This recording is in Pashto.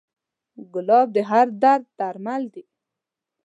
ګلاب د هر درد درمل دی.